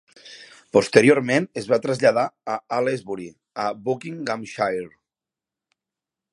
Posteriorment, es va traslladar a Aylesbury, a Buckinghamshire.